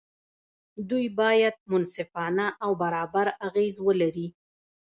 دوی باید منصفانه او برابر اغېز ولري.